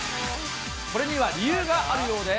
これには理由があるようで。